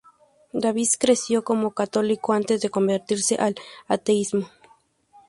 Davis creció como católico antes de convertirse al ateísmo.